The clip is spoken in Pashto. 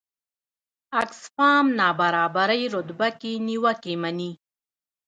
اکسفام نابرابرۍ رتبه کې نیوکې مني.